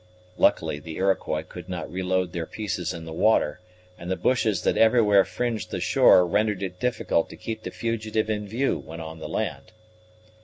Luckily the Iroquois could not reload their pieces in the water, and the bushes that everywhere fringed the shore rendered it difficult to keep the fugitive in view when on the land.